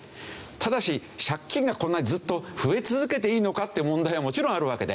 ただし借金がこんなにずっと増え続けていいのかっていう問題はもちろんあるわけで。